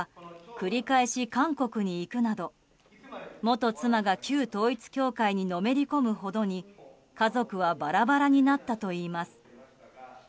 繰り返し韓国に行くなど元妻が旧統一教会にのめり込むほどに家族はバラバラになったといいます。